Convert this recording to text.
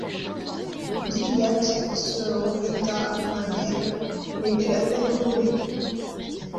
Gilliatt se rejeta en arrière, mais put à peine remuer.